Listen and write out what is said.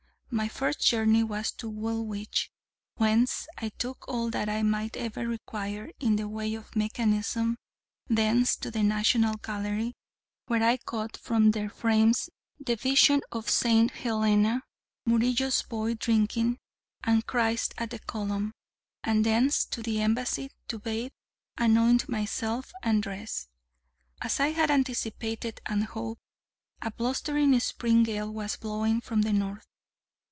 My first journey was to Woolwich, whence I took all that I might ever require in the way of mechanism; thence to the National Gallery, where I cut from their frames the 'Vision of St. Helena,' Murillo's 'Boy Drinking,' and 'Christ at the Column'; and thence to the Embassy to bathe, anoint myself, and dress. As I had anticipated, and hoped, a blustering spring gale was blowing from the north.